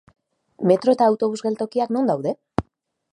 Metro eta autobus geltokiak non daude?